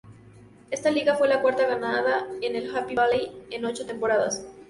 Esta liga fue la cuarta ganada por el Happy Valley en ocho temporadas.